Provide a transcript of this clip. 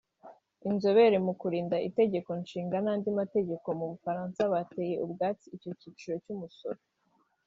Inzobere mu kurinda Itegekonshinga n’andi mategeko mu Bufaransa bateye utwatsi icyo cyiciro cy’umusoro